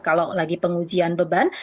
kalau lagi pengujian beban